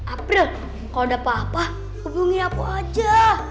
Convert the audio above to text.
april kalo dapet apa hubungin aku aja